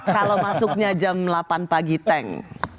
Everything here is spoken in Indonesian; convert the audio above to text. kalau masuknya jam delapan pagi tank